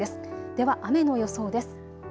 では雨の予想です。